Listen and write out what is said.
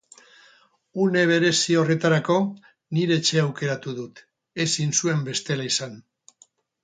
Une berezi horretarako, nire etxea aukeratu dut, ezin zuen bestela izan.